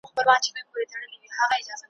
ستا بچي به هم رنګین وي هم ښاغلي ,